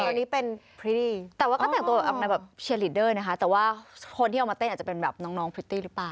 อันนี้เป็นพริตตี้แต่ว่าก็แต่งตัวออกมาแบบเชียร์ลีดเดอร์นะคะแต่ว่าคนที่เอามาเต้นอาจจะเป็นแบบน้องพริตตี้หรือเปล่า